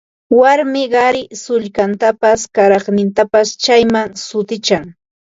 Warmi qari sullkantapas kuraqnintapas chaywan sutichan